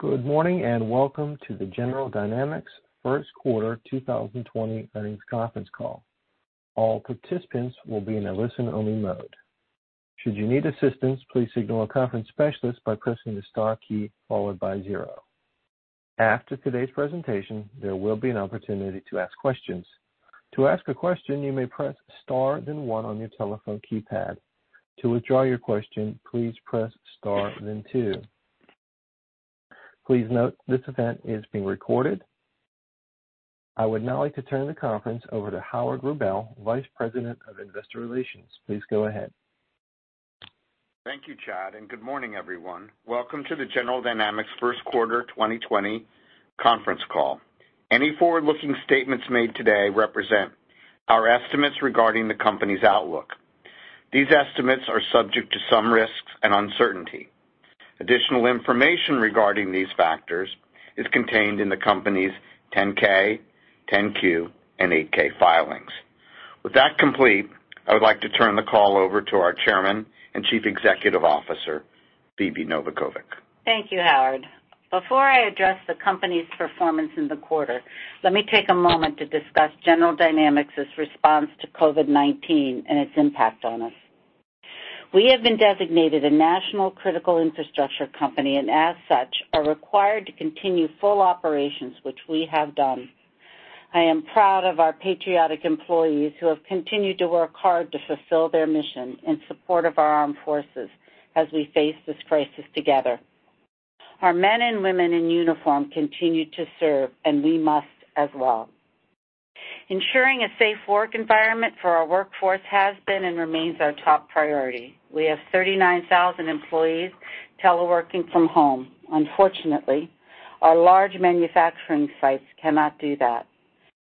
Good morning, and welcome to the General Dynamics first quarter 2020 earnings conference call. All participants will be in a listen-only mode. Should you need assistance, please signal a conference specialist by pressing the star key, followed by zero. After today's presentation, there will be an opportunity to ask questions. To ask a question, you may press star then one on your telephone keypad. To withdraw your question, please press star then two. Please note, this event is being recorded. I would now like to turn the conference over to Howard Rubel, Vice President of Investor Relations. Please go ahead. Thank you, Chad. Good morning, everyone. Welcome to the General Dynamics first quarter 2020 conference call. Any forward-looking statements made today represent our estimates regarding the company's outlook. These estimates are subject to some risks and uncertainty. Additional information regarding these factors is contained in the company's 10-K, 10-Q, and 8-K filings. With that complete, I would like to turn the call over to our Chairman and Chief Executive Officer, Phebe Novakovic. Thank you, Howard. Before I address the company's performance in the quarter, let me take a moment to discuss General Dynamics' response to COVID-19 and its impact on us. We have been designated a national critical infrastructure company, as such, are required to continue full operations, which we have done. I am proud of our patriotic employees who have continued to work hard to fulfill their mission in support of our armed forces as we face this crisis together. Our men and women in uniform continue to serve, we must as well. Ensuring a safe work environment for our workforce has been and remains our top priority. We have 39,000 employees teleworking from home. Unfortunately, our large manufacturing sites cannot do that.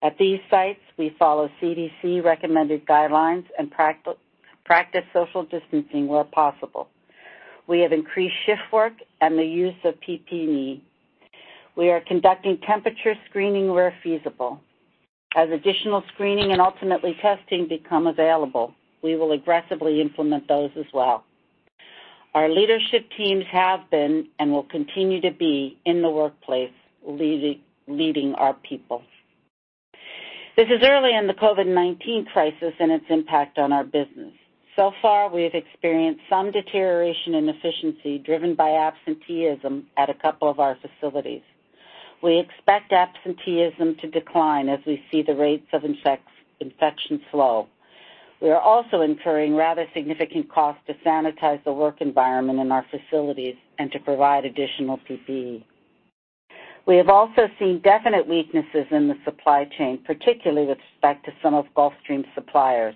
At these sites, we follow CDC-recommended guidelines and practice social distancing where possible. We have increased shift work and the use of PPE. We are conducting temperature screening where feasible. As additional screening and ultimately testing become available, we will aggressively implement those as well. Our leadership teams have been and will continue to be in the workplace, leading our people. This is early in the COVID-19 crisis and its impact on our business. Far, we have experienced some deterioration in efficiency driven by absenteeism at a couple of our facilities. We expect absenteeism to decline as we see the rates of infections slow. We are also incurring rather significant costs to sanitize the work environment in our facilities and to provide additional PPE. We have also seen definite weaknesses in the supply chain, particularly with respect to some of Gulfstream's suppliers.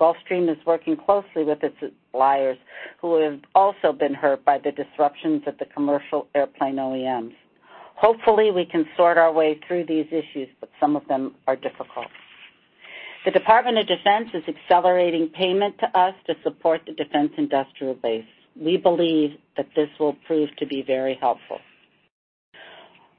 Gulfstream is working closely with its suppliers, who have also been hurt by the disruptions of the commercial airplane OEMs. Hopefully, we can sort our way through these issues, but some of them are difficult. The Department of Defense is accelerating payment to us to support the defense industrial base. We believe that this will prove to be very helpful.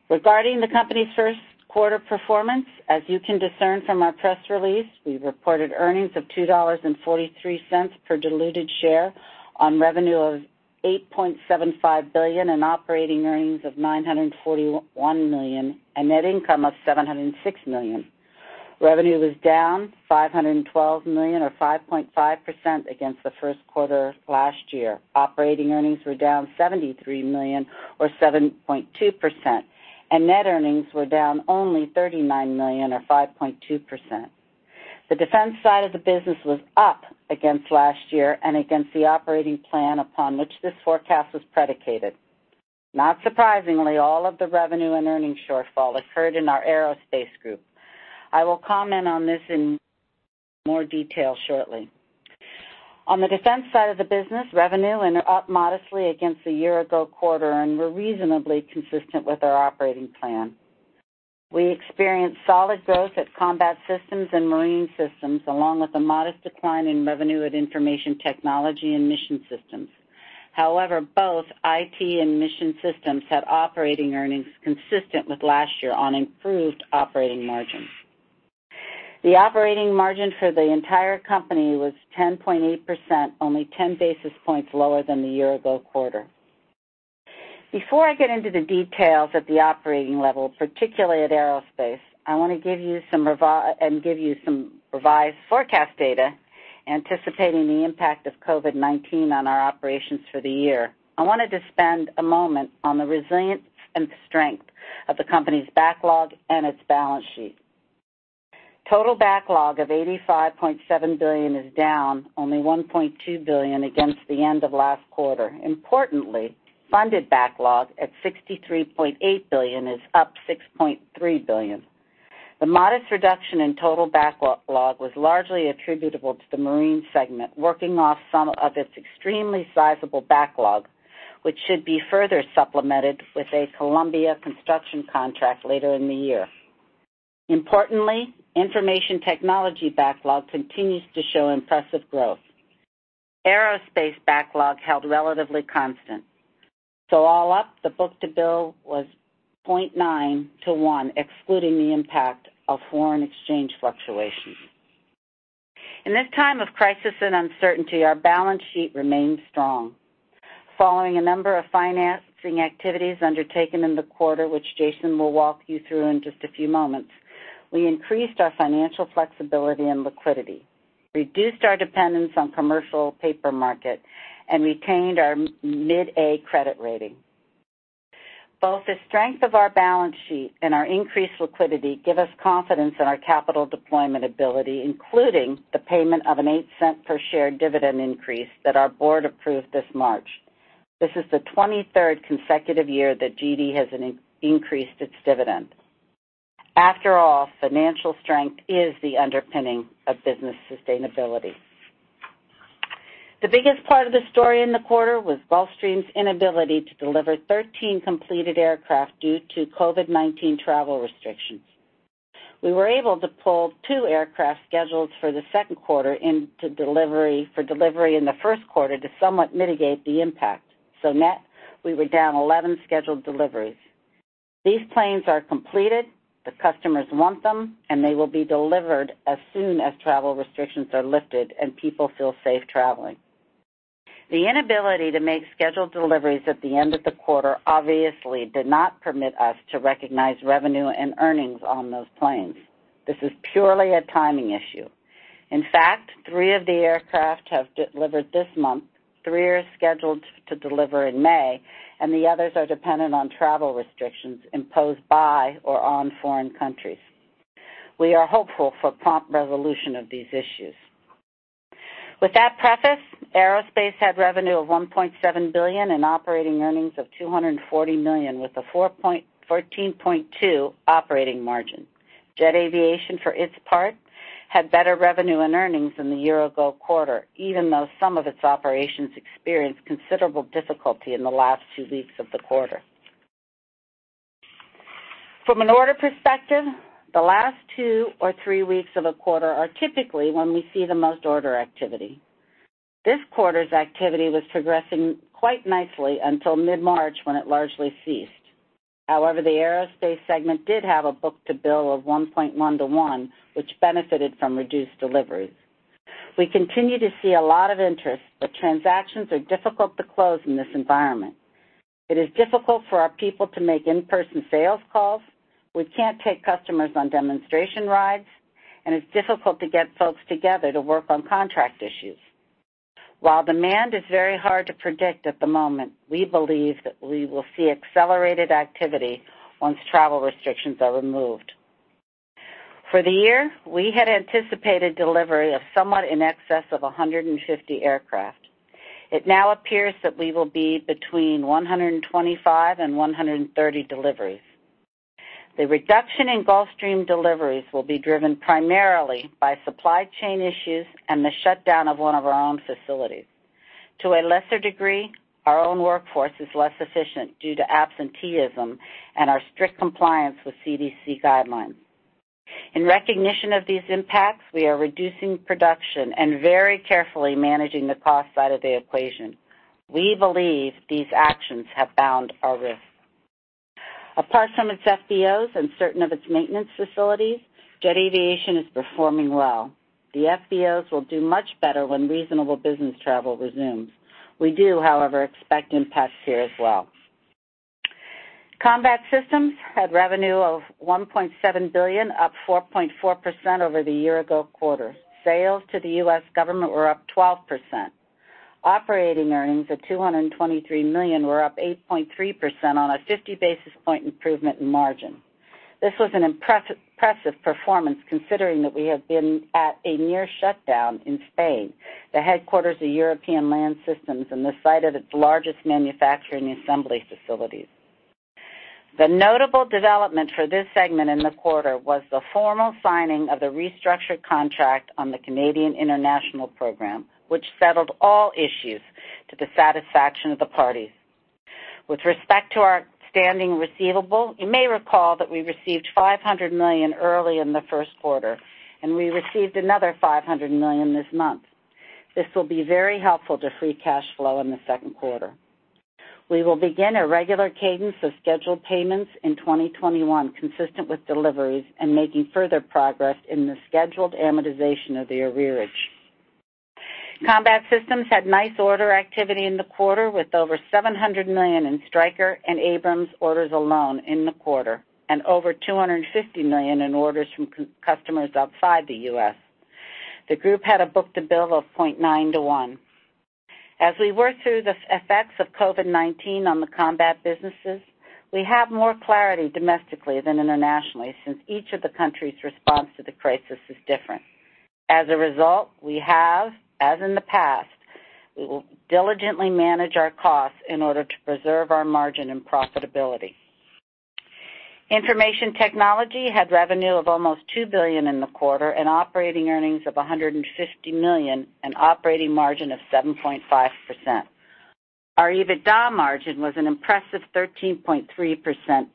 Regarding the company's first quarter performance, as you can discern from our press release, we reported earnings of $2.43 per diluted share on revenue of $8.75 billion and operating earnings of $941 million and net income of $706 million. Revenue was down $512 million or 5.5% against the first quarter last year. Operating earnings were down $73 million or 7.2%, and net earnings were down only $39 million or 5.2%. The defense side of the business was up against last year and against the operating plan upon which this forecast was predicated. Not surprisingly, all of the revenue and earnings shortfall occurred in our aerospace group. I will comment on this in more detail shortly. On the defense side of the business, revenue ended up modestly against the year-ago quarter and were reasonably consistent with our operating plan. We experienced solid growth at Combat Systems and Marine Systems, along with a modest decline in revenue at Information Technology and Mission Systems. Both IT and Mission Systems had operating earnings consistent with last year on improved operating margins. The operating margin for the entire company was 10.8%, only 10 basis points lower than the year-ago quarter. Before I get into the details at the operating level, particularly at Aerospace, I want to give you some revised forecast data anticipating the impact of COVID-19 on our operations for the year. I wanted to spend a moment on the resilience and strength of the company's backlog and its balance sheet. Total backlog of $85.7 billion is down only $1.2 billion against the end of last quarter. Importantly, funded backlog at $63.8 billion is up $6.3 billion. The modest reduction in total backlog was largely attributable to the marine segment working off some of its extremely sizable backlog, which should be further supplemented with a Columbia construction contract later in the year. Importantly, Information Technology backlog continues to show impressive growth. Aerospace backlog held relatively constant. All up, the book to bill was 0.9:1, excluding the impact of foreign exchange fluctuations. In this time of crisis and uncertainty, our balance sheet remains strong. Following a number of financing activities undertaken in the quarter, which Jason will walk you through in just a few moments, we increased our financial flexibility and liquidity, reduced our dependence on commercial paper market, and retained our mid-A credit rating. Both the strength of our balance sheet and our increased liquidity give us confidence in our capital deployment ability, including the payment of a $0.08 per share dividend increase that our board approved this March. This is the 23rd consecutive year that GD has increased its dividend. Financial strength is the underpinning of business sustainability. The biggest part of the story in the quarter was Gulfstream's inability to deliver 13 completed aircraft due to COVID-19 travel restrictions. We were able to pull two aircraft scheduled for the second quarter for delivery in the first quarter to somewhat mitigate the impact. Net, we were down 11 scheduled deliveries. These planes are completed, the customers want them, and they will be delivered as soon as travel restrictions are lifted and people feel safe traveling. The inability to make scheduled deliveries at the end of the quarter obviously did not permit us to recognize revenue and earnings on those planes. This is purely a timing issue. In fact, three of the aircraft have delivered this month, three are scheduled to deliver in May, and the others are dependent on travel restrictions imposed by or on foreign countries. We are hopeful for prompt resolution of these issues. With that preface, Aerospace had revenue of $1.7 billion and operating earnings of $240 million, with a 14.2% operating margin. Jet Aviation, for its part, had better revenue and earnings than the year-ago quarter, even though some of its operations experienced considerable difficulty in the last two weeks of the quarter. From an order perspective, the last two or three weeks of a quarter are typically when we see the most order activity. This quarter's activity was progressing quite nicely until mid-March, when it largely ceased. The Aerospace segment did have a book-to-bill of 1.1:1, which benefited from reduced deliveries. We continue to see a lot of interest, but transactions are difficult to close in this environment. It is difficult for our people to make in-person sales calls. We can't take customers on demonstration rides, and it's difficult to get folks together to work on contract issues. While demand is very hard to predict at the moment, we believe that we will see accelerated activity once travel restrictions are removed. For the year, we had anticipated delivery of somewhat in excess of 150 aircraft. It now appears that we will be between 125 and 130 deliveries. The reduction in Gulfstream deliveries will be driven primarily by supply chain issues and the shutdown of one of our own facilities. To a lesser degree, our own workforce is less efficient due to absenteeism and our strict compliance with CDC guidelines. In recognition of these impacts, we are reducing production and very carefully managing the cost side of the equation. We believe these actions have bound our risk. Apart from its FBOs and certain of its maintenance facilities, Jet Aviation is performing well. The FBOs will do much better when reasonable business travel resumes. We do, however, expect impacts here as well. Combat Systems had revenue of $1.7 billion, up 4.4% over the year-ago quarter. Sales to the U.S. government were up 12%. Operating earnings of $223 million were up 8.3% on a 50-basis-point improvement in margin. This was an impressive performance considering that we have been at a near shutdown in Spain, the headquarters of European Land Systems and the site of its largest manufacturing assembly facilities. The notable development for this segment in the quarter was the formal signing of the restructured contract on the Canadian international program, which settled all issues to the satisfaction of the parties. With respect to our standing receivable, you may recall that we received $500 million early in the first quarter, and we received another $500 million this month. This will be very helpful to free cash flow in the second quarter. We will begin a regular cadence of scheduled payments in 2021, consistent with deliveries and making further progress in the scheduled amortization of the arrearage. Combat Systems had nice order activity in the quarter, with over $700 million in Stryker and Abrams orders alone in the quarter, and over $250 million in orders from customers outside the U.S. The group had a book-to-bill of 0.9:1. As we work through the effects of COVID-19 on the combat businesses, we have more clarity domestically than internationally, since each of the countries' response to the crisis is different. As a result, as in the past, we will diligently manage our costs in order to preserve our margin and profitability. Information Technology had revenue of almost $2 billion in the quarter and operating earnings of $150 million, an operating margin of 7.5%. Our EBITDA margin was an impressive 13.3%,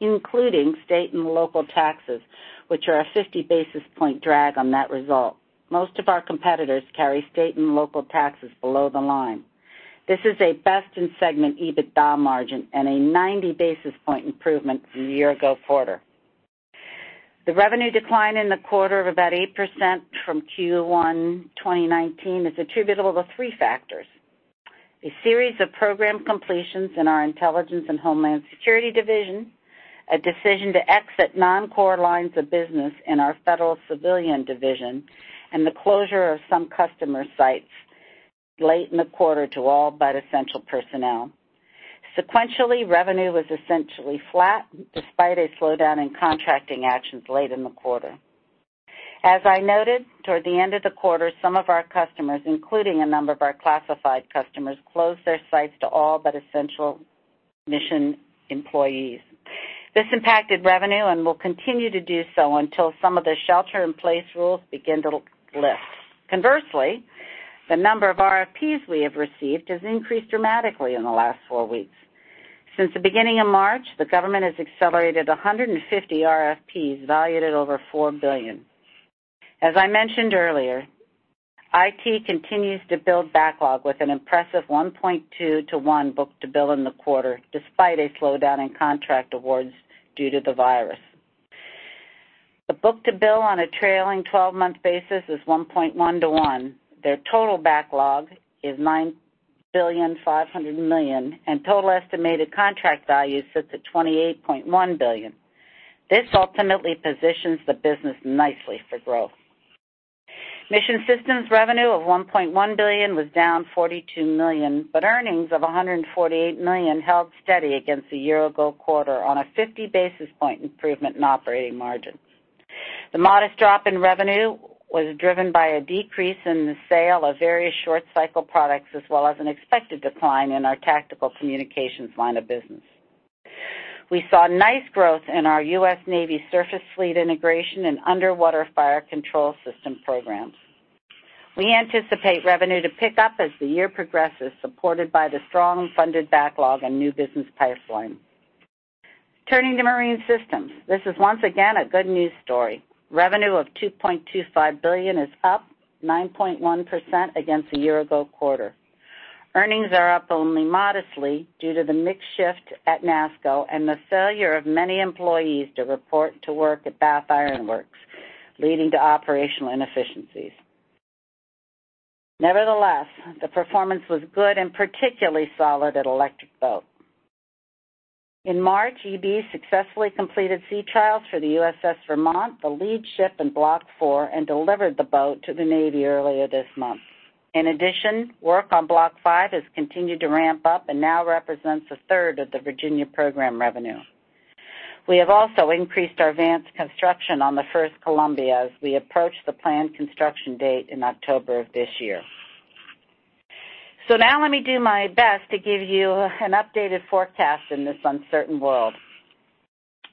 including state and local taxes, which are a 50-basis-point drag on that result. Most of our competitors carry state and local taxes below the line. This is a best-in-segment EBITDA margin and a 90-basis-point improvement from the year-ago quarter. The revenue decline in the quarter of about 8% from Q1 2019 is attributable to three factors. A series of program completions in our Intelligence and Homeland Security division, a decision to exit non-core lines of business in our Federal Civilian division, and the closure of some customer sites late in the quarter to all but essential personnel. Sequentially, revenue was essentially flat, despite a slowdown in contracting actions late in the quarter. As I noted, toward the end of the quarter, some of our customers, including a number of our classified customers, closed their sites to all but essential mission employees. This impacted revenue and will continue to do so until some of the shelter-in-place rules begin to lift. Conversely, the number of RFPs we have received has increased dramatically in the last four weeks. Since the beginning of March, the government has accelerated 150 RFPs valued at over $4 billion. As I mentioned earlier, IT continues to build backlog with an impressive 1.2:1 book-to-bill in the quarter, despite a slowdown in contract awards due to the virus. The book-to-bill on a trailing 12-month basis is 1.1:1. Their total backlog is $9.5 billion, and total estimated contract value sits at $28.1 billion. This ultimately positions the business nicely for growth. Mission Systems revenue of $1.1 billion was down $42 million, but earnings of $148 million held steady against the year-ago quarter on a 50-basis-point improvement in operating margins. The modest drop in revenue was driven by a decrease in the sale of various short-cycle products, as well as an expected decline in our tactical communications line of business. We saw nice growth in our U.S. Navy Surface Fleet Integration and Underwater Fire Control System programs. We anticipate revenue to pick up as the year progresses, supported by the strong funded backlog and new business pipeline. Turning to Marine Systems, this is once again a good news story. Revenue of $2.25 billion is up 9.1% against the year-ago quarter. Earnings are up only modestly due to the mix shift at NASSCO and the failure of many employees to report to work at Bath Iron Works, leading to operational inefficiencies. Nevertheless, the performance was good and particularly solid at Electric Boat. In March, EB successfully completed sea trials for the USS Vermont, the lead ship in Block IV, and delivered the boat to the Navy earlier this month. In addition, work on Block V has continued to ramp up and now represents a third of the Virginia program revenue. We have also increased our advanced construction on the first Columbia as we approach the planned construction date in October of this year. Now let me do my best to give you an updated forecast in this uncertain world.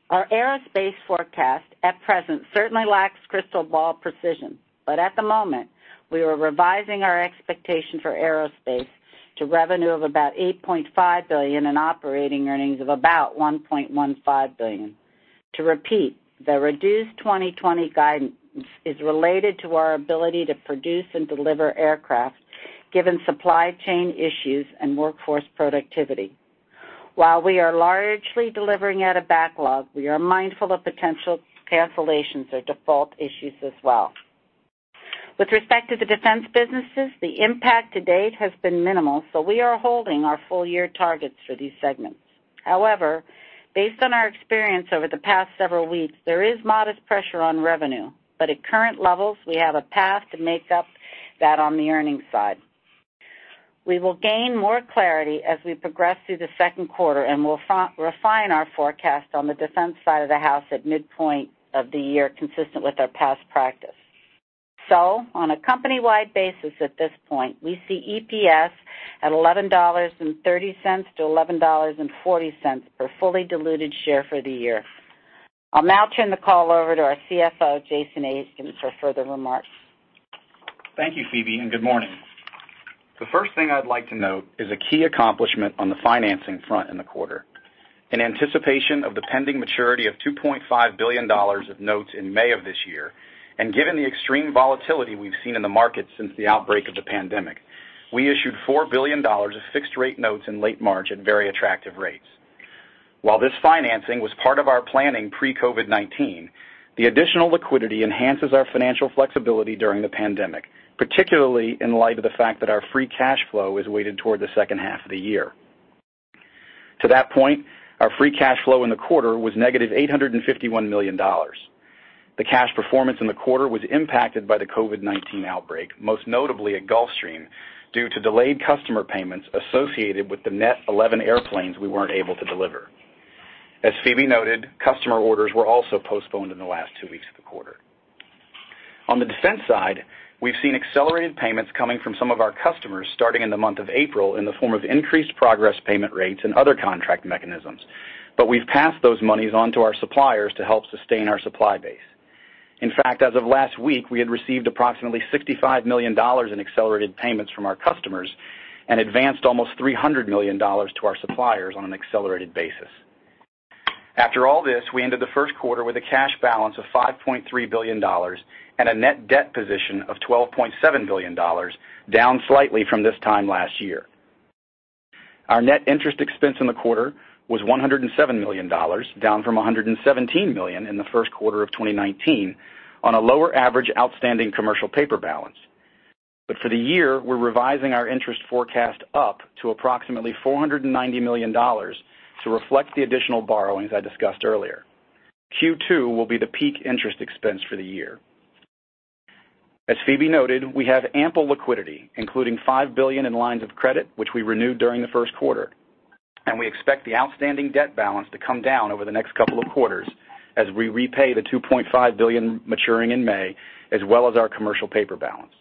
Our Aerospace forecast at present certainly lacks crystal ball precision, but at the moment, we are revising our expectation for Aerospace to revenue of about $8.5 billion and operating earnings of about $1.15 billion. To repeat, the reduced 2020 guidance is related to our ability to produce and deliver aircraft given supply chain issues and workforce productivity. While we are largely delivering out of backlog, we are mindful of potential cancellations or default issues as well. With respect to the Defense businesses, the impact to date has been minimal, so we are holding our full-year targets for these segments. However, based on our experience over the past several weeks, there is modest pressure on revenue, but at current levels, we have a path to make up that on the earnings side. We will gain more clarity as we progress through the second quarter, and we'll refine our forecast on the Defense side of the house at midpoint of the year, consistent with our past practice. On a company-wide basis at this point, we see EPS at $11.30-$11.40 per fully diluted share for the year. I'll now turn the call over to our CFO, Jason Aiken, for further remarks. Thank you, Phebe, and good morning. The first thing I'd like to note is a key accomplishment on the financing front in the quarter. In anticipation of the pending maturity of $2.5 billion of notes in May of this year, and given the extreme volatility we've seen in the market since the outbreak of the pandemic, we issued $4 billion of fixed rate notes in late March at very attractive rates. While this financing was part of our planning pre-COVID-19, the additional liquidity enhances our financial flexibility during the pandemic, particularly in light of the fact that our free cash flow is weighted toward the second half of the year. To that point, our free cash flow in the quarter was $-851 million. The cash performance in the quarter was impacted by the COVID-19 outbreak, most notably at Gulfstream, due to delayed customer payments associated with the net 11 airplanes we weren't able to deliver. As Phebe noted, customer orders were also postponed in the last two weeks of the quarter. On the Defense side, we've seen accelerated payments coming from some of our customers starting in the month of April in the form of increased progress payment rates and other contract mechanisms. We've passed those monies on to our suppliers to help sustain our supply base. In fact, as of last week, we had received approximately $65 million in accelerated payments from our customers and advanced almost $300 million to our suppliers on an accelerated basis. After all this, we ended the first quarter with a cash balance of $5.3 billion and a net debt position of $12.7 billion, down slightly from this time last year. Our net interest expense in the quarter was $107 million, down from $117 million in the first quarter of 2019, on a lower average outstanding commercial paper balance. For the year, we're revising our interest forecast up to approximately $490 million to reflect the additional borrowings I discussed earlier. Q2 will be the peak interest expense for the year. As Phebe noted, we have ample liquidity, including $5 billion in lines of credit, which we renewed during the first quarter. We expect the outstanding debt balance to come down over the next couple of quarters as we repay the $2.5 billion maturing in May, as well as our commercial paper balance.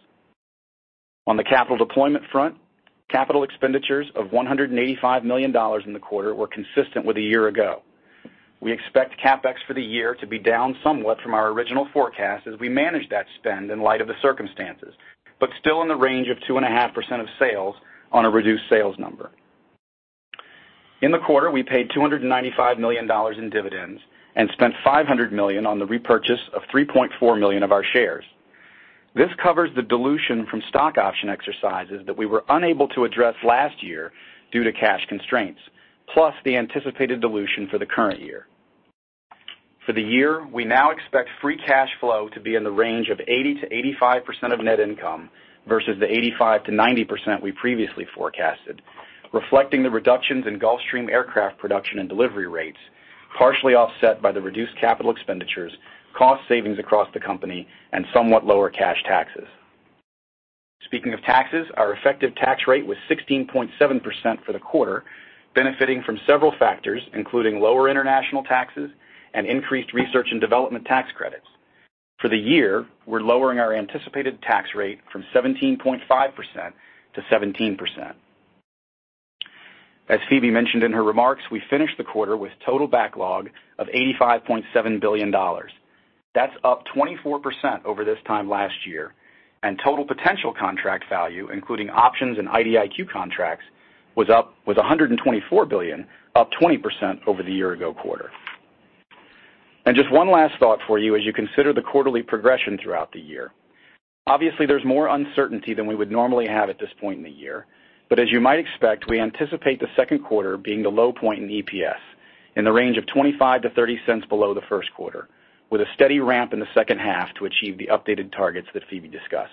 On the capital deployment front, capital expenditures of $185 million in the quarter were consistent with a year ago. We expect CapEx for the year to be down somewhat from our original forecast as we manage that spend in light of the circumstances, but still in the range of 2.5% of sales on a reduced sales number. In the quarter, we paid $295 million in dividends and spent $500 million on the repurchase of 3.4 million of our shares. This covers the dilution from stock option exercises that we were unable to address last year due to cash constraints, plus the anticipated dilution for the current year. For the year, we now expect free cash flow to be in the range of 80%-85% of net income versus the 85%-90% we previously forecasted, reflecting the reductions in Gulfstream aircraft production and delivery rates, partially offset by the reduced capital expenditures, cost savings across the company, and somewhat lower cash taxes. Speaking of taxes, our effective tax rate was 16.7% for the quarter, benefiting from several factors, including lower international taxes and increased research and development tax credits. For the year, we're lowering our anticipated tax rate from 17.5% to 17%. As Phebe mentioned in her remarks, we finished the quarter with total backlog of $85.7 billion. That's up 24% over this time last year. Total potential contract value, including options and IDIQ contracts, was $124 billion, up 20% over the year-ago quarter. Just one last thought for you as you consider the quarterly progression throughout the year. Obviously, there's more uncertainty than we would normally have at this point in the year, but as you might expect, we anticipate the second quarter being the low point in EPS, in the range of $0.25-$0.30 below the first quarter, with a steady ramp in the second half to achieve the updated targets that Phebe discussed.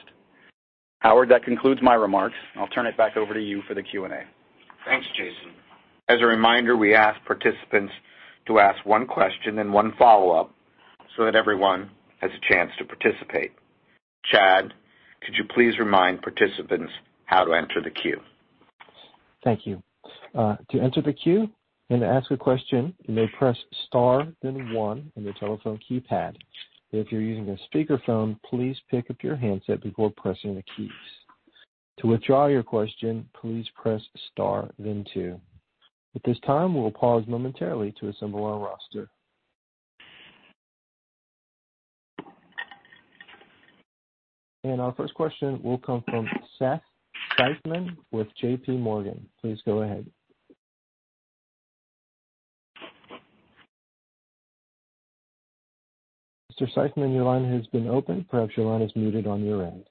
Howard, that concludes my remarks. I'll turn it back over to you for the Q&A. Thanks, Jason. As a reminder, we ask participants to ask one question and one follow-up so that everyone has a chance to participate. Chad, could you please remind participants how to enter the queue? Thank you. To enter the queue and to ask a question, you may press star then one on your telephone keypad. If you're using a speakerphone, please pick up your handset before pressing the keys. To withdraw your question, please press star then two. At this time, we will pause momentarily to assemble our roster. Our first question will come from Seth Seifman with JPMorgan. Please go ahead. Mr. Seifman, your line has been opened. Perhaps your line is muted on your end.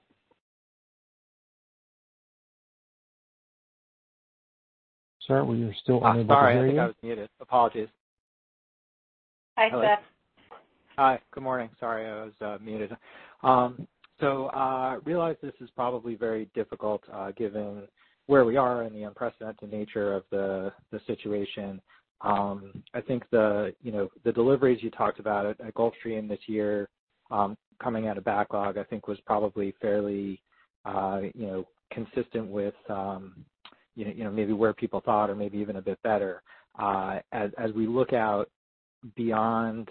Sir, we are still unable to hear you. Oh, sorry. I think I was muted. Apologies. Hi, Seth. Hi. Good morning. Sorry, I was muted. I realize this is probably very difficult, given where we are and the unprecedented nature of the situation. I think the deliveries you talked about at Gulfstream this year, coming out of backlog, I think was probably fairly consistent with maybe where people thought or maybe even a bit better. As we look out beyond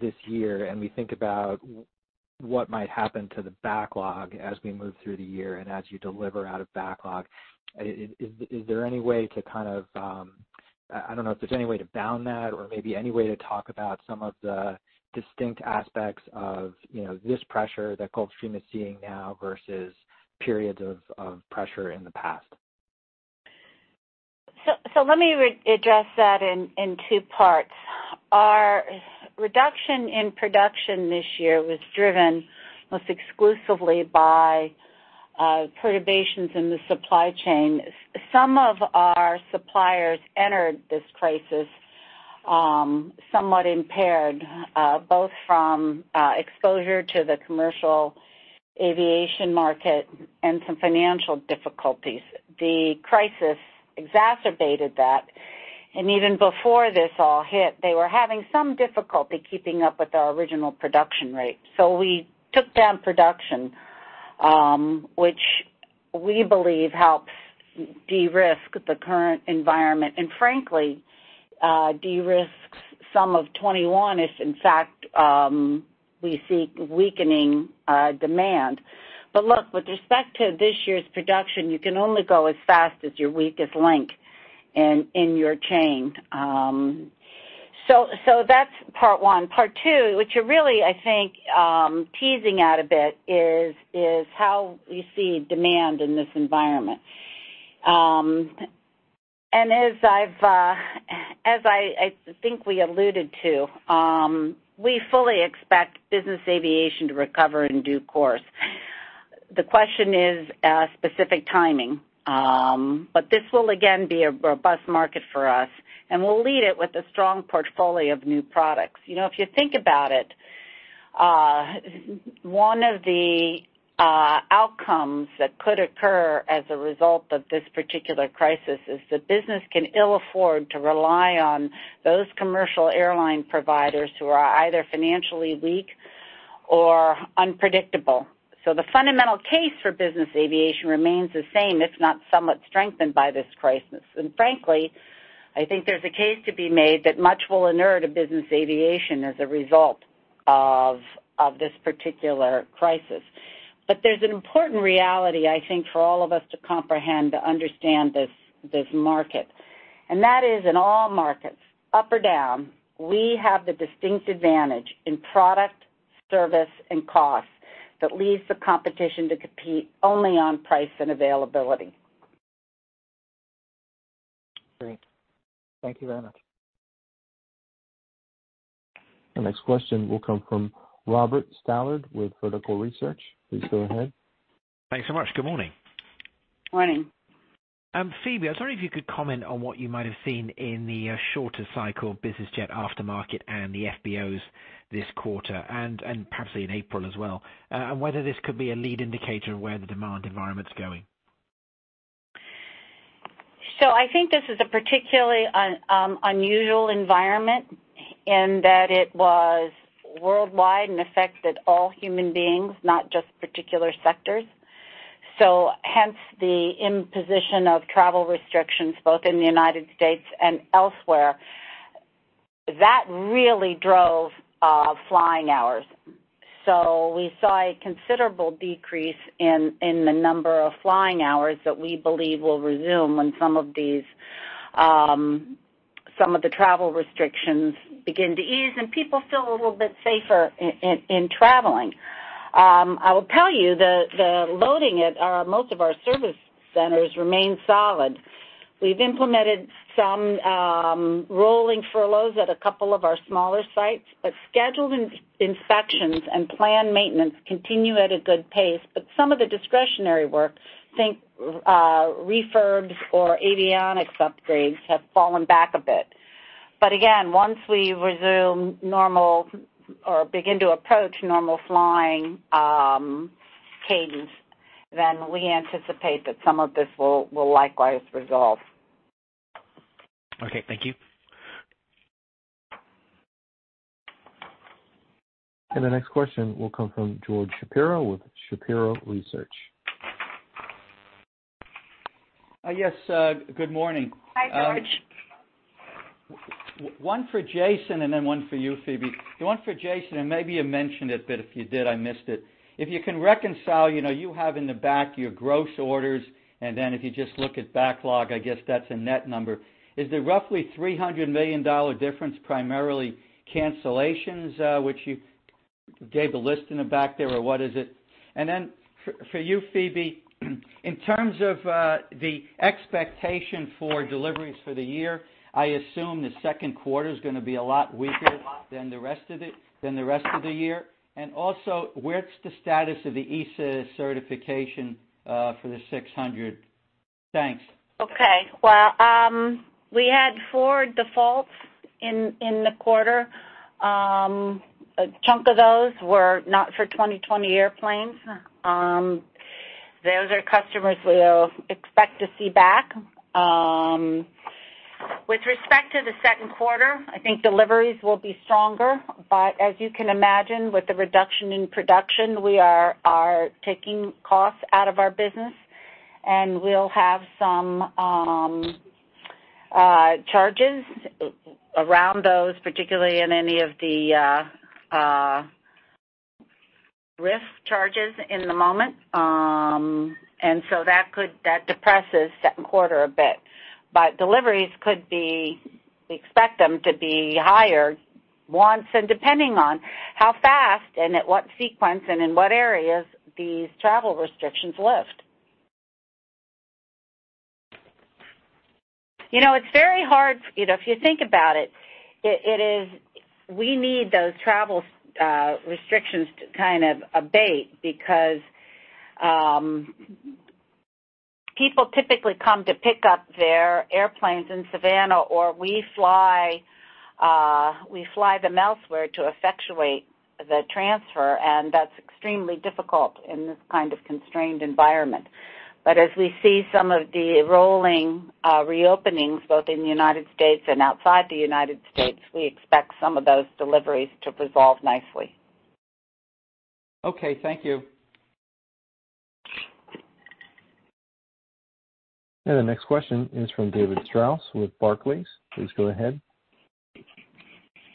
this year and we think about what might happen to the backlog as we move through the year and as you deliver out of backlog, I don't know if there's any way to bound that or maybe any way to talk about some of the distinct aspects of this pressure that Gulfstream is seeing now versus periods of pressure in the past. Let me address that in two parts. Our reduction in production this year was driven most exclusively by perturbations in the supply chain. Some of our suppliers entered this crisis somewhat impaired, both from exposure to the commercial aviation market and some financial difficulties. The crisis exacerbated that, and even before this all hit, they were having some difficulty keeping up with our original production rate. We took down production, which we believe helps de-risk the current environment, and frankly, de-risks some of 2021 if, in fact, we see weakening demand. Look, with respect to this year's production, you can only go as fast as your weakest link in your chain. That's part one. Part two, which you're really, I think, teasing out a bit, is how we see demand in this environment. As I think we alluded to, we fully expect business aviation to recover in due course. The question is specific timing. This will again be a robust market for us, and we'll lead it with a strong portfolio of new products. If you think about it, one of the outcomes that could occur as a result of this particular crisis is that business can ill afford to rely on those commercial airline providers who are either financially weak or unpredictable. The fundamental case for business aviation remains the same, if not somewhat strengthened by this crisis. Frankly, I think there's a case to be made that much will inure to business aviation as a result of this particular crisis. There's an important reality, I think, for all of us to comprehend to understand this market, and that is in all markets, up or down, we have the distinct advantage in product, service, and cost that leaves the competition to compete only on price and availability. Great. Thank you very much. The next question will come from Robert Stallard with Vertical Research. Please go ahead. Thanks so much. Good morning. Morning. Phebe, I was wondering if you could comment on what you might have seen in the shorter cycle business jet aftermarket and the FBOs this quarter, and perhaps in April as well, and whether this could be a lead indicator of where the demand environment's going. I think this is a particularly unusual environment in that it was worldwide and affected all human beings, not just particular sectors. Hence the imposition of travel restrictions both in the U.S. and elsewhere. That really drove flying hours. We saw a considerable decrease in the number of flying hours that we believe will resume when some of the travel restrictions begin to ease and people feel a little bit safer in traveling. I will tell you, the loading at most of our service centers remain solid. We've implemented some rolling furloughs at a couple of our smaller sites, but scheduled inspections and planned maintenance continue at a good pace. Some of the discretionary work, think refurbs or avionics upgrades, have fallen back a bit. Again, once we resume normal or begin to approach normal flying cadence, then we anticipate that some of this will likewise resolve. Okay. Thank you. The next question will come from George Shapiro with Shapiro Research. Yes. Good morning. Hi, George. One for Jason, and then one for you, Phebe. The one for Jason, and maybe you mentioned it, but if you did, I missed it. If you can reconcile, you have in the back your gross orders, and then if you just look at backlog, I guess that's a net number. Is the roughly $300 million difference primarily cancellations, which you gave a list in the back there, or what is it? For you, Phebe, in terms of the expectation for deliveries for the year, I assume the second quarter's going to be a lot weaker than the rest of the year. What's the status of the EASA certification for the G600? Thanks. Okay. Well, we had four defaults in the quarter. A chunk of those were not for 2020 airplanes. Those are customers we'll expect to see back. With respect to the second quarter, I think deliveries will be stronger. As you can imagine, with the reduction in production, we are taking costs out of our business, and we'll have some charges around those, particularly in any of the risk charges in the moment. That depresses second quarter a bit. Deliveries could be, we expect them to be higher once, and depending on how fast and at what sequence and in what areas these travel restrictions lift. It's very hard. If you think about it, we need those travel restrictions to kind of abate because people typically come to pick up their airplanes in Savannah, or we fly them elsewhere to effectuate the transfer. That's extremely difficult in this kind of constrained environment. As we see some of the rolling reopenings, both in the U.S. and outside the U.S., we expect some of those deliveries to resolve nicely. Okay. Thank you. The next question is from David Strauss with Barclays. Please go ahead.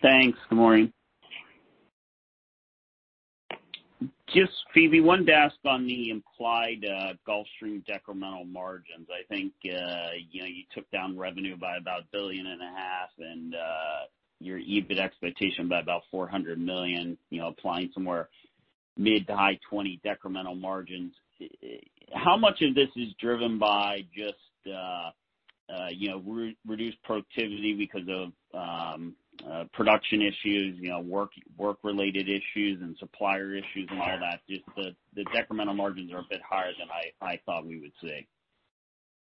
Thanks. Good morning. Just Phebe, one to ask on the implied Gulfstream decremental margins. I think you took down revenue by about a billion and a half and your EBIT expectation by about $400 million, applying somewhere mid to high 20% decremental margins. How much of this is driven by just reduced productivity because of production issues, work-related issues and supplier issues and all that. Just the incremental margins are a bit higher than I thought we would see.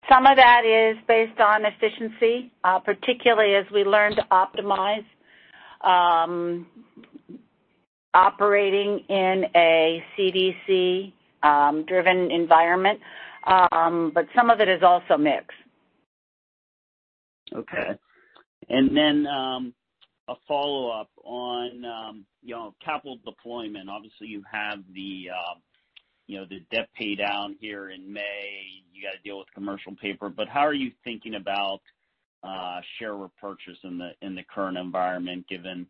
Some of that is based on efficiency, particularly as we learn to optimize operating in a CDC-driven environment. Some of it is also mix. Okay. A follow-up on capital deployment. Obviously, you have the debt paydown here in May. You got to deal with commercial paper. How are you thinking about share repurchase in the current environment, given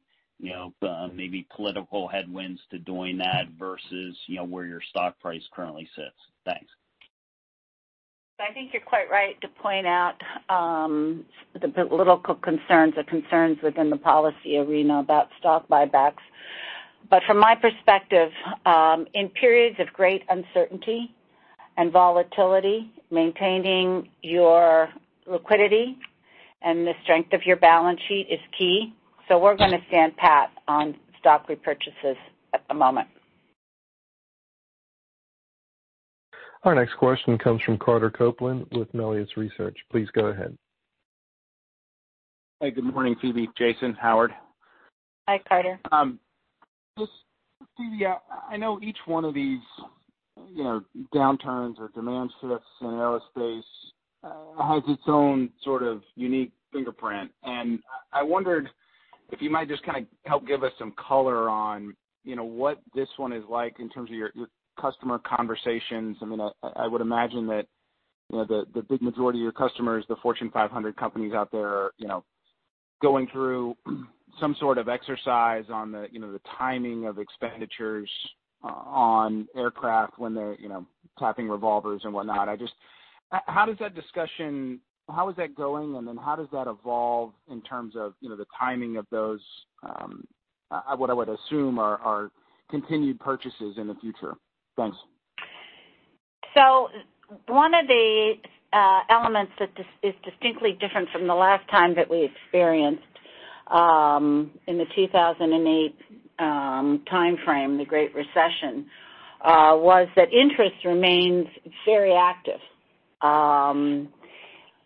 maybe political headwinds to doing that versus where your stock price currently sits? Thanks. I think you're quite right to point out the political concerns, the concerns within the policy arena about stock buybacks. From my perspective, in periods of great uncertainty and volatility, maintaining your liquidity and the strength of your balance sheet is key. We're going to stand pat on stock repurchases at the moment. Our next question comes from Carter Copeland with Melius Research. Please go ahead. Hi. Good morning, Phebe, Jason, Howard. Hi, Carter. Phebe, I know each one of these downturns or demand shifts in the aerospace has its own sort of unique fingerprint, and I wondered if you might just help give us some color on what this one is like in terms of your customer conversations. I would imagine that the big majority of your customers, the Fortune 500 companies out there, are going through some sort of exercise on the timing of expenditures on aircraft when they're capping revolvers and whatnot. How is that going, and then how does that evolve in terms of the timing of those, what I would assume are continued purchases in the future? Thanks. One of the elements that is distinctly different from the last time that we experienced in the 2008 timeframe, the Great Recession, was that interest remains very active.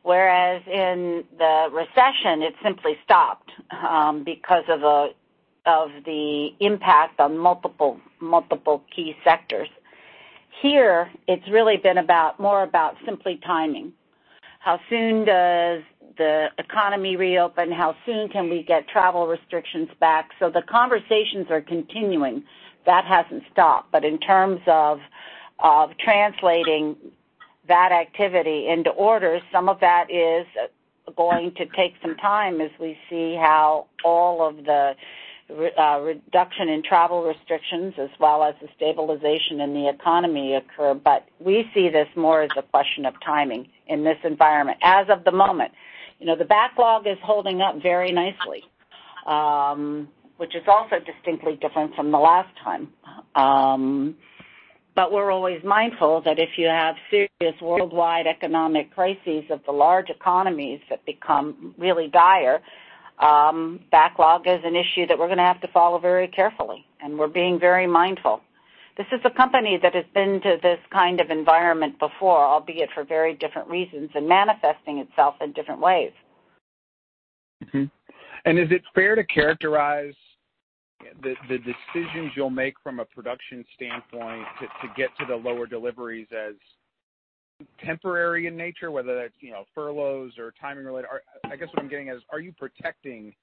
Whereas in the recession, it simply stopped because of the impact on multiple key sectors. Here, it's really been more about simply timing. How soon does the economy reopen? How soon can we get travel restrictions back? The conversations are continuing. That hasn't stopped, but in terms of translating that activity into orders, some of that is going to take some time as we see how all of the reduction in travel restrictions as well as the stabilization in the economy occur. We see this more as a question of timing in this environment, as of the moment. The backlog is holding up very nicely, which is also distinctly different from the last time. We're always mindful that if you have serious worldwide economic crises of the large economies that become really dire, backlog is an issue that we're going to have to follow very carefully, and we're being very mindful. This is a company that has been to this kind of environment before, albeit for very different reasons, and manifesting itself in different ways. Is it fair to characterize the decisions you'll make from a production standpoint to get to the lower deliveries as temporary in nature, whether that's furloughs or timing related? I guess what I'm getting at is, are you protecting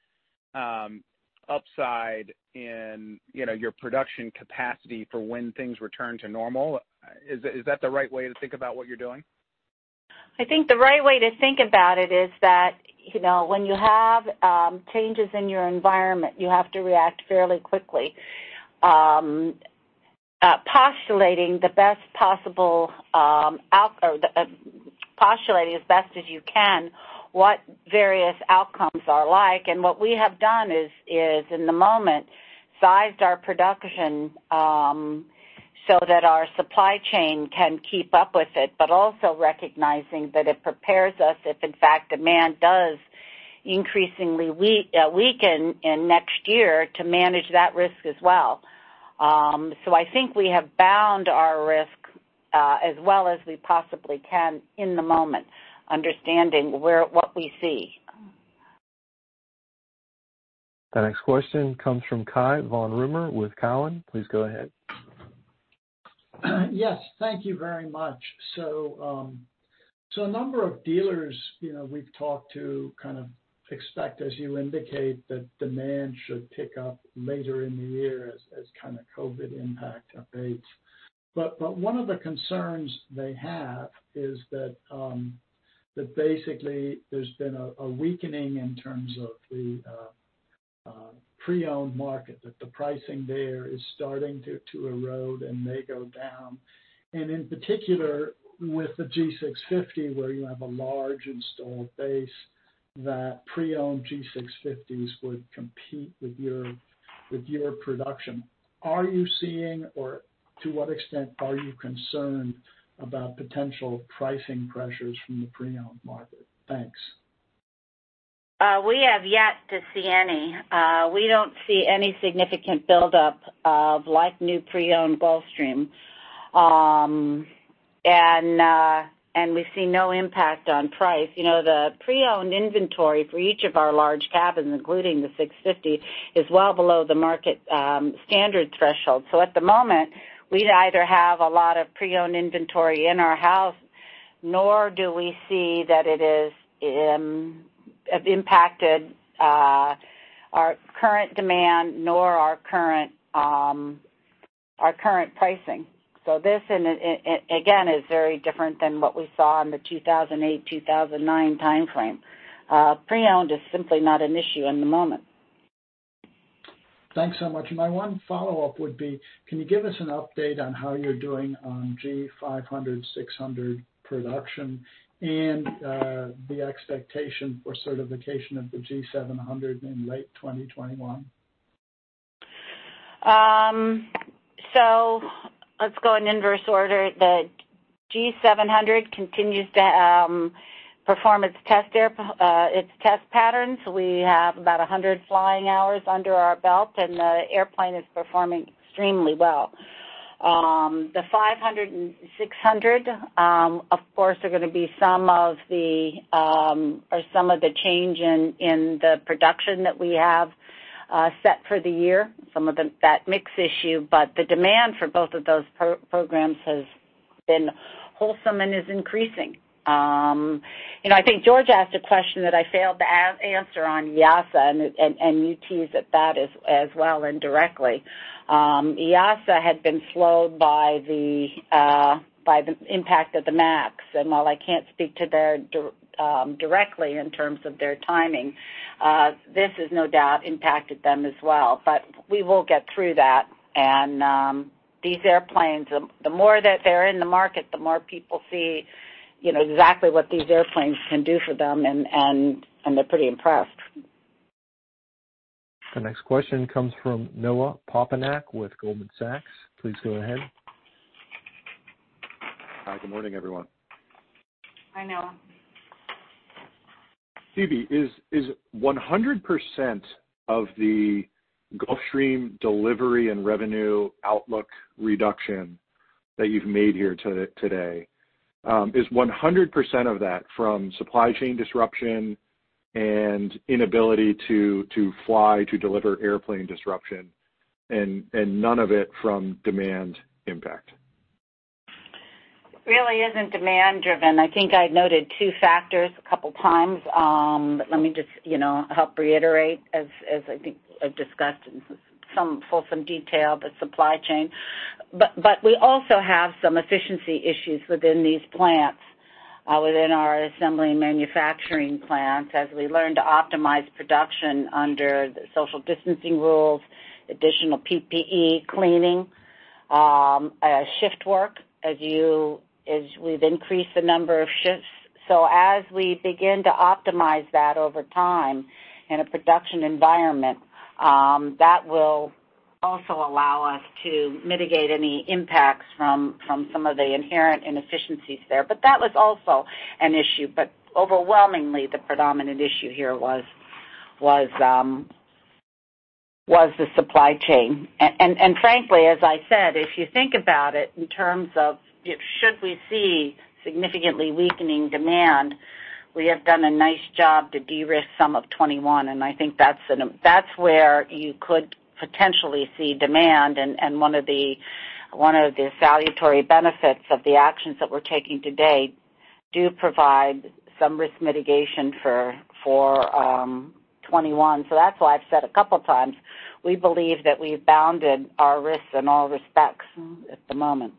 upside in your production capacity for when things return to normal? Is that the right way to think about what you're doing? I think the right way to think about it is that when you have changes in your environment, you have to react fairly quickly. Postulating as best as you can what various outcomes are like, and what we have done is, in the moment, sized our production so that our supply chain can keep up with it. Also recognizing that it prepares us, if in fact demand does increasingly weaken in next year, to manage that risk as well. I think we have bound our risk as well as we possibly can in the moment, understanding what we see. The next question comes from Cai von Rumohr with Cowen. Please go ahead. Yes, thank you very much. A number of dealers we've talked to kind of expect, as you indicate, that demand should pick up later in the year as kind of COVID impact abates. One of the concerns they have is that basically there's been a weakening in terms of the pre-owned market, that the pricing there is starting to erode and may go down. In particular, with the G650, where you have a large installed base. That pre-owned G650s would compete with your production. Are you seeing, or to what extent are you concerned about potential pricing pressures from the pre-owned market? Thanks. We have yet to see any. We don't see any significant buildup of like-new pre-owned Gulfstream. We see no impact on price. The pre-owned inventory for each of our large cabins, including the G650, is well below the market standard threshold. At the moment, we'd either have a lot of pre-owned inventory in our house, nor do we see that it has impacted our current demand, nor our current pricing. This, again, is very different than what we saw in the 2008-2009 timeframe. Pre-owned is simply not an issue in the moment. Thanks so much. My one follow-up would be, can you give us an update on how you're doing on G500, G600 production and the expectation for certification of the G700 in late 2021? Let's go in inverse order. The G700 continues to perform its test patterns. We have about 100 flying hours under our belt, and the airplane is performing extremely well. The G500 and G600, of course, are going to be some of the change in the production that we have set for the year, some of that mix issue. The demand for both of those programs has been wholesome and is increasing. I think George asked a question that I failed to answer on EASA, and you teased at that as well indirectly. EASA had been slowed by the impact of the Max. While I can't speak to their directly in terms of their timing, this has no doubt impacted them as well. We will get through that. These airplanes, the more that they're in the market, the more people see exactly what these airplanes can do for them, and they're pretty impressed. The next question comes from Noah Poponak with Goldman Sachs. Please go ahead. Hi, good morning, everyone. Hi, Noah. Phebe, is 100% of the Gulfstream delivery and revenue outlook reduction that you've made here today, is 100% of that from supply chain disruption and inability to fly to deliver airplane disruption and none of it from demand impact? Really isn't demand driven. I think I noted two factors a couple of times. Let me just help reiterate as I think I've discussed in some detail the supply chain. We also have some efficiency issues within these plants, within our assembly and manufacturing plants, as we learn to optimize production under the social distancing rules, additional PPE cleaning, shift work as we've increased the number of shifts. As we begin to optimize that over time in a production environment, that will also allow us to mitigate any impacts from some of the inherent inefficiencies there. That was also an issue, but overwhelmingly the predominant issue here was the supply chain. Frankly, as I said, if you think about it in terms of should we see significantly weakening demand, we have done a nice job to de-risk some of 2021, and I think that's where you could potentially see demand and one of the salutary benefits of the actions that we're taking to date do provide some risk mitigation for 2021. That's why I've said a couple of times, we believe that we've bounded our risks in all respects at the moment.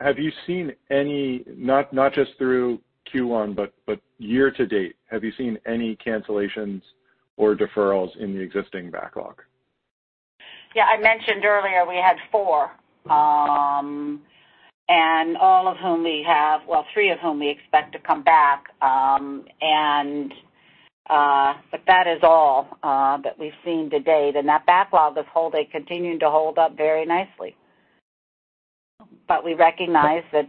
Have you seen any, not just through Q1, but year-to-date, have you seen any cancellations or deferrals in the existing backlog? Yeah. I mentioned earlier we had four, three of whom we expect to come back. That is all that we've seen to date, and that backlog as a whole they continued to hold up very nicely. We recognize that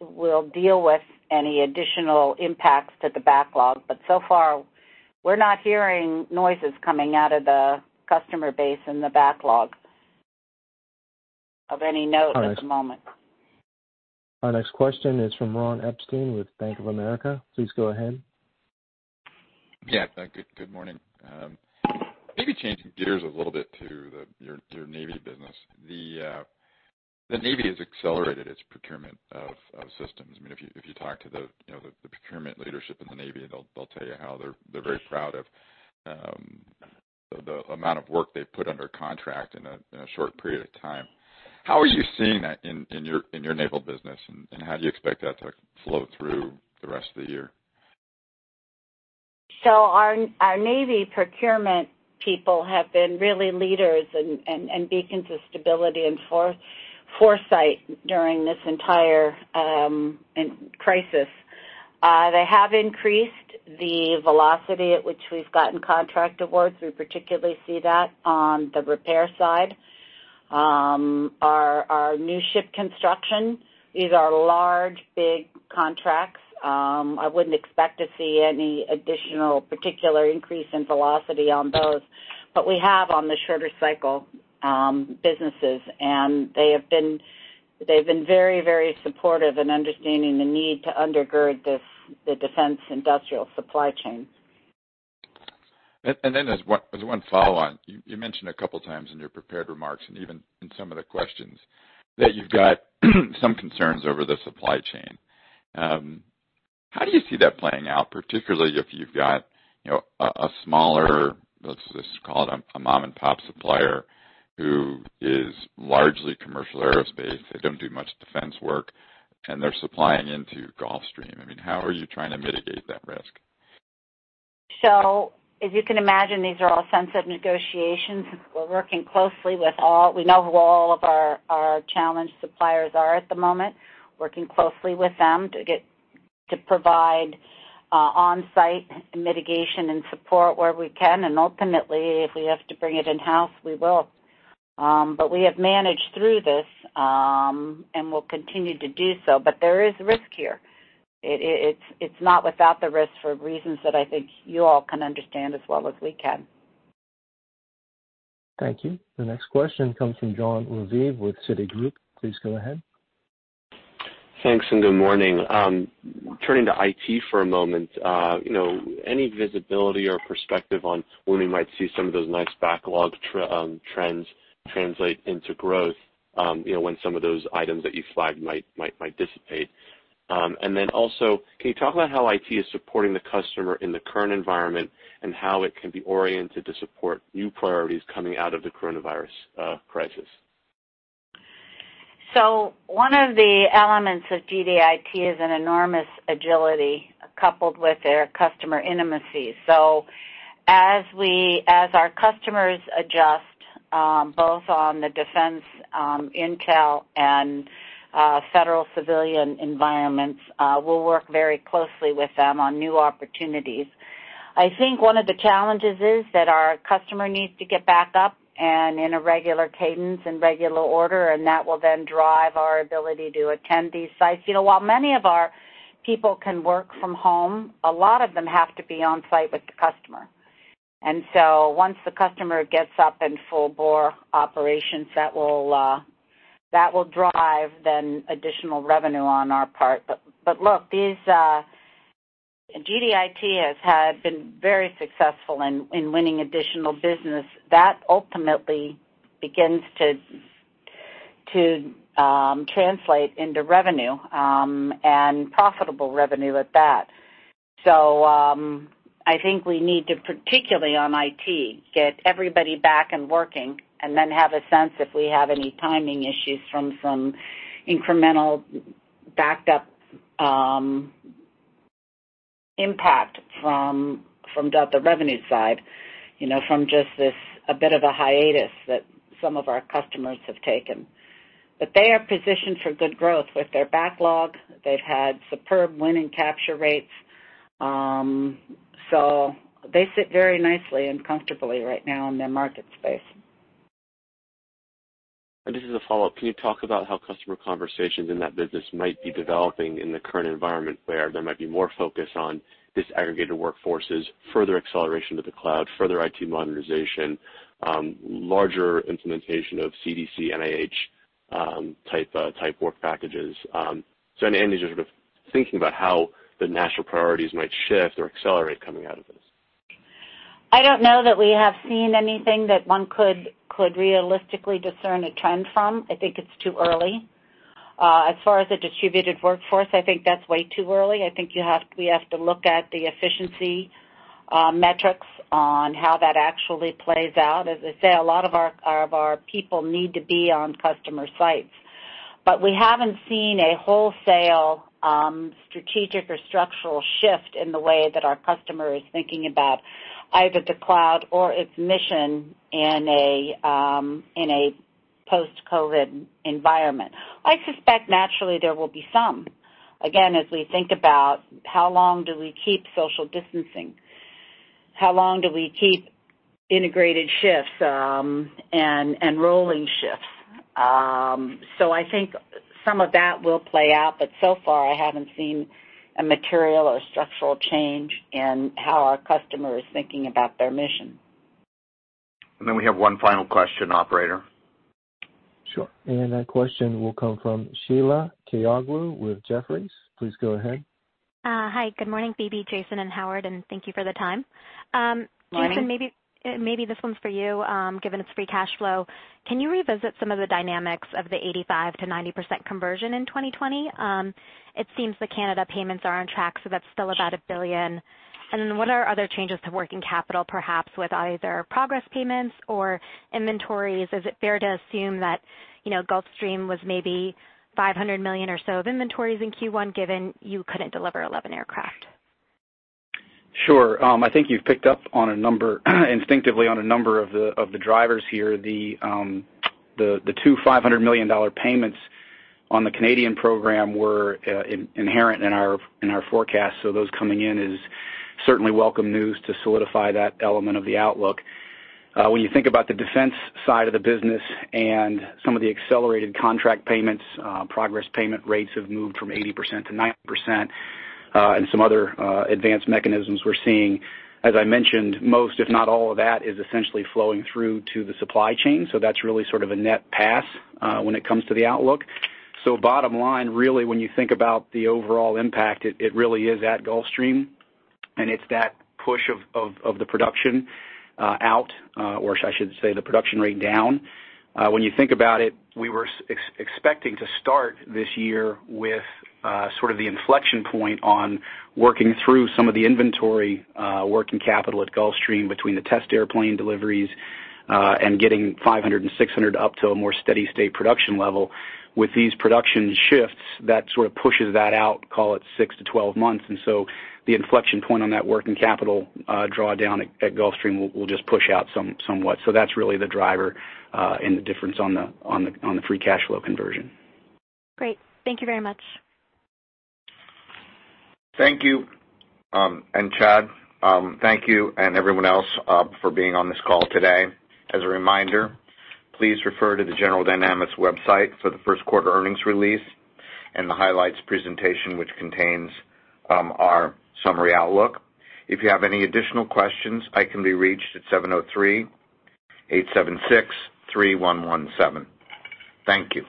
we'll deal with any additional impacts to the backlog. So far, we're not hearing noises coming out of the customer base in the backlog of any note at the moment. Our next question is from Ronald Epstein with Bank of America. Please go ahead. Good morning. Maybe changing gears a little bit to your Navy business. The Navy has accelerated its procurement of systems. If you talk to the procurement leadership in the Navy, they'll tell you how they're very proud of the amount of work they've put under contract in a short period of time. How are you seeing that in your Naval business, and how do you expect that to flow through the rest of the year? Our Navy procurement people have been really leaders and beacons of stability and foresight during this entire crisis. They have increased the velocity at which we've gotten contract awards. We particularly see that on the repair side. Our new ship construction, these are large, big contracts. I wouldn't expect to see any additional particular increase in velocity on those. We have on the shorter cycle businesses, and they've been very supportive in understanding the need to undergird the defense industrial supply chain. Then as one follow-on, you mentioned a couple times in your prepared remarks, and even in some of the questions, that you've got some concerns over the supply chain. How do you see that playing out, particularly if you've got a smaller, let's just call it a mom-and-pop supplier who is largely commercial aerospace, they don't do much defense work, and they're supplying into Gulfstream? I mean, how are you trying to mitigate that risk? As you can imagine, these are all sensitive negotiations. We're working closely with all. We know who all of our challenged suppliers are at the moment, working closely with them to provide on-site mitigation and support where we can. Ultimately, if we have to bring it in-house, we will. We have managed through this, and we'll continue to do so. There is risk here. It's not without the risk for reasons that I think you all can understand as well as we can. Thank you. The next question comes from Jon Raviv with Citigroup. Please go ahead. Thanks and good morning. Turning to IT for a moment, any visibility or perspective on when we might see some of those nice backlog trends translate into growth, when some of those items that you flagged might dissipate? Can you talk about how IT is supporting the customer in the current environment, and how it can be oriented to support new priorities coming out of the coronavirus crisis? One of the elements of GDIT is an enormous agility coupled with their customer intimacy. As our customers adjust, both on the defense intel and federal civilian environments, we'll work very closely with them on new opportunities. I think one of the challenges is that our customer needs to get back up and in a regular cadence, in regular order, and that will then drive our ability to attend these sites. While many of our people can work from home, a lot of them have to be on-site with the customer. Once the customer gets up in full-bore operations, that will drive then additional revenue on our part. Look, GDIT has been very successful in winning additional business. That ultimately begins to translate into revenue, and profitable revenue at that. I think we need to, particularly on IT, get everybody back and working, and then have a sense if we have any timing issues from some incremental backed-up impact from the revenue side, from just this, a bit of a hiatus that some of our customers have taken. They are positioned for good growth with their backlog. They've had superb win and capture rates. They sit very nicely and comfortably right now in their market space. This is a follow-up. Can you talk about how customer conversations in that business might be developing in the current environment where there might be more focus on disaggregated workforces, further acceleration to the cloud, further IT modernization, larger implementation of CDC, NIH-type work packages? Any sort of thinking about how the national priorities might shift or accelerate coming out of this. I don't know that we have seen anything that one could realistically discern a trend from. I think it's too early. As far as the distributed workforce, I think that's way too early. I think we have to look at the efficiency metrics on how that actually plays out. As I say, a lot of our people need to be on customer sites. We haven't seen a wholesale strategic or structural shift in the way that our customer is thinking about either the cloud or its mission in a post-COVID environment. I suspect naturally there will be some, again, as we think about how long do we keep social distancing, how long do we keep integrated shifts and rolling shifts. I think some of that will play out, but so far, I haven't seen a material or structural change in how our customer is thinking about their mission. We have one final question, operator. Sure. That question will come from Sheila Kahyaoglu with Jefferies. Please go ahead. Hi, good morning, Phebe, Jason, and Howard, and thank you for the time. Morning. Jason, maybe this one's for you, given it's free cash flow. Can you revisit some of the dynamics of the 85%-90% conversion in 2020? It seems the Canada payments are on track, so that's still about $1 billion. What are other changes to working capital, perhaps with either progress payments or inventories? Is it fair to assume that Gulfstream was maybe $500 million or so of inventories in Q1, given you couldn't deliver 11 aircraft? Sure. I think you've picked up instinctively on a number of the drivers here. The two $500 million payments on the Canadian program were inherent in our forecast. Those coming in is certainly welcome news to solidify that element of the outlook. When you think about the defense side of the business and some of the accelerated contract payments, progress payment rates have moved from 80% to 90%, and some other advanced mechanisms we're seeing. As I mentioned, most if not all of that is essentially flowing through to the supply chain. That's really sort of a net pass when it comes to the outlook. Bottom line, really, when you think about the overall impact, it really is at Gulfstream, and it's that push of the production out, or I should say, the production rate down. When you think about it, we were expecting to start this year with sort of the inflection point on working through some of the inventory working capital at Gulfstream between the test airplane deliveries, and getting G500 and G600 up to a more steady state production level. With these production shifts, that sort of pushes that out, call it 6-12 months. The inflection point on that working capital drawdown at Gulfstream will just push out somewhat. That's really the driver in the difference on the free cash flow conversion. Great. Thank you very much. Thank you. Chad, thank you and everyone else for being on this call today. As a reminder, please refer to the General Dynamics website for the first quarter earnings release and the highlights presentation, which contains our summary outlook. If you have any additional questions, I can be reached at 703-876-3117. Thank you.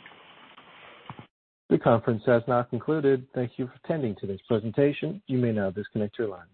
The conference has now concluded. Thank you for attending today's presentation. You may now disconnect your line.